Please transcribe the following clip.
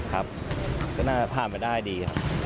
ครับก็น่าผ่านไปได้ดีครับ